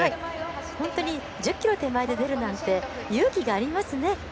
本当に１０ｋｍ手前で出るなんて勇気がありますね。